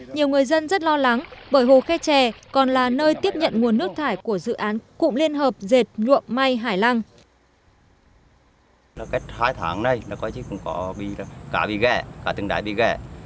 nhiều người dân rất lo lắng bởi hồ khe tre còn là nơi tiếp nhận nguồn nước thải của dự án cụm liên hợp dệt nhuộm may hải lăng